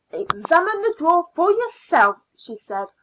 "Examine the drawer for yourself" she said.